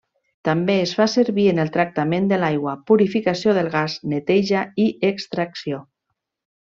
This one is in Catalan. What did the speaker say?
També es fa servir en el tractament de l'aigua, purificació del gas neteja i extracció.